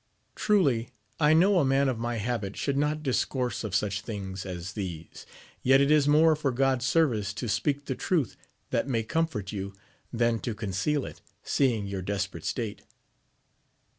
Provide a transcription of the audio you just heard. Truly, I know a man of my habit should not discourse of such things as these, yet it is more for God's service to speak the AMADIS OF GAUL. 297 truth that may comfort yc", than to conceal it, seeing your desperate state.